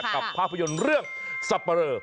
กับภาพยนตร์เรื่องสับปะเรอ